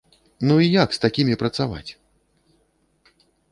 Ну і як з такімі працаваць?